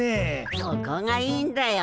そこがいいんだよ。